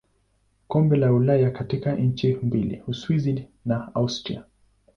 Kombe la Ulaya katika nchi mbili Uswisi na Austria.